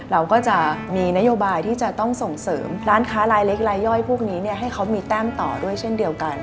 เราก็จะมีนโยบายที่จะต้องส่งเสริมร้านค้ารายเล็กรายย่อยพวกนี้ให้เขามีแต้มต่อด้วยเช่นเดียวกัน